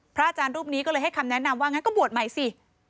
อาจารย์รูปนี้ก็เลยให้คำแนะนำว่างั้นก็บวชใหม่สิ